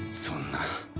そんな。